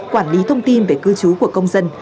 quản lý thông tin về cư trú của công dân